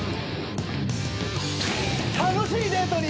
楽しいデートに。